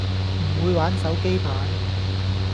唔會玩手機版